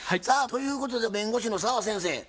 さあということで弁護士の澤先生